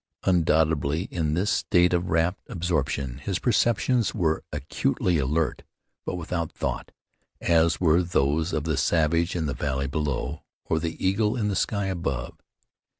Undoubtedly in this state of rapt absorption his perceptions were acutely alert; but without thought, as were those of the savage in the valley below, or the eagle in the sky above.